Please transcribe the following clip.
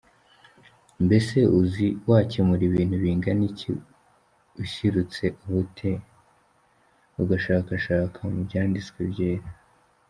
Mbese uzi wakemura ibintu bingana iki ushirutse ubute ugashakashaka mu Byanditswe Byera?.